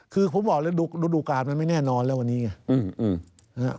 คือผมบอกดูกาลไม่แน่นอนแล้วอันนี้ไง